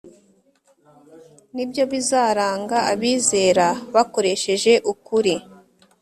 Ni byo bizaranga abizera bakoresheje ukuri